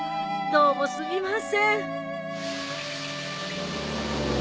どうもすみません。